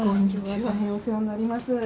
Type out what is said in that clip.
今日は大変お世話になります。